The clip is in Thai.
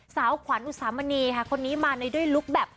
สาวขวัญอุสามณีค่ะคนนี้มาในด้วยลุคแบบ